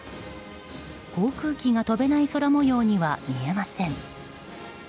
航空機が飛べない空模様には見えません。